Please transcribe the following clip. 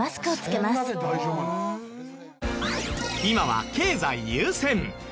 今は経済優先。